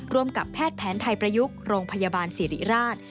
กับแพทย์แผนไทยประยุกต์โรงพยาบาลสิริราช